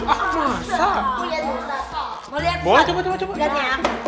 ah masa mau lihat coba coba lihat ya